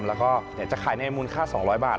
แล้วก็อยากจะขายในมูลค่า๒๐๐บาท